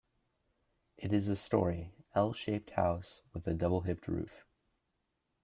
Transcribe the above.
It is a -story, L-shaped house with a double hipped roof.